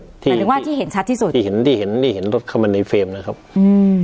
หมายถึงว่าที่เห็นชัดที่สุดที่เห็นที่เห็นนี่เห็นรถเข้ามาในเฟรมนะครับอืม